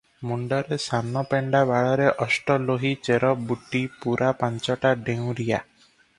ମୁଣ୍ଡରେ ସାନ ପେଣ୍ଡା ବାଳରେ ଅଷ୍ଟଲୋହି ଚେର ବୁଟି ପୂରା ପାଞ୍ଚଟା ଡେଉଁରିଆ ।